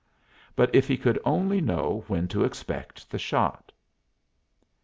But if he could only know when to expect the shot!